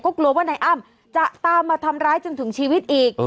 ก็กลัวว่าไอนั่งจะตามมาทำร้ายจนถึงชีวิตอีก